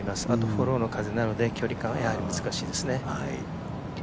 フォローの風なので距離感が難しいですね。